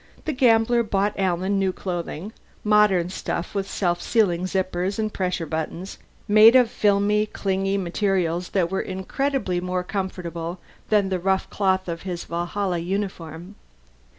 The gambler bought Alan new clothing, modern stuff with self sealing zippers and pressure buttons, made of filmy clinging materials that were incredibly more comfortable than the rough cloth of his Valhalla uniform.